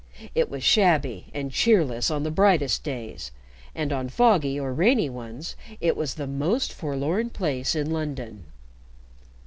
It was shabby and cheerless on the brightest days, and on foggy or rainy ones it was the most forlorn place in London.